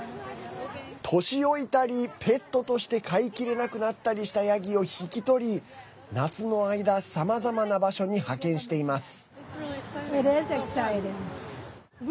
年老いたり、ペットとして飼いきれなくなったりしたヤギを引き取り夏の間さまざまな場所に派遣しています。